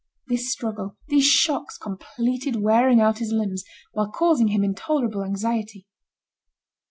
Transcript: This struggle, these shocks completed wearing out his limbs, while causing him intolerable anxiety.